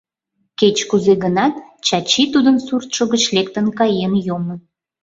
Кеч-кузе гынат, Чачи тудын суртшо гыч лектын каен йомын.